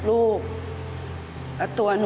รักอ่ะ